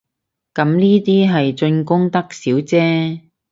咁呢啲係進貢得少姐